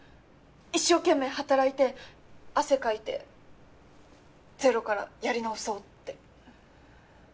一生懸命働いて汗かいてゼロからやり直そうって。